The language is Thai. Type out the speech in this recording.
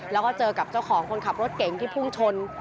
แล้วก็เจอกับเจ้าของคนขับรถเก่งที่พุ่งชน